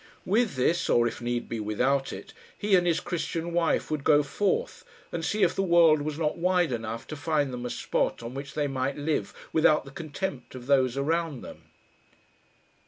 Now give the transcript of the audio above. With this or, if need be, without it he and his Christian wife would go forth and see if the world was not wide enough to find them a spot on which they might live without the contempt of those around them.